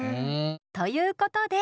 ということで。